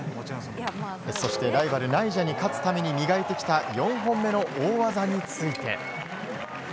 そして、ライバルナイジャに勝つために磨いてきた４本目の大技について。